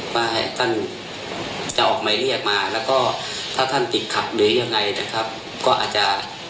คือถ้ามีอะขอขอให้กำลัวนะครับเพราะว่าเราจะได้จะได้กัดจะได้